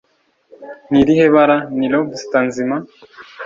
Ni irihe bara ni Lobster Nzima?